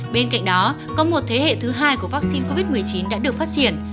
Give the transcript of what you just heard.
bên cạnh đó có một thế hệ thứ hai của vaccine covid một mươi chín đã được phát triển